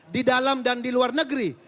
di dalam dan di luar negeri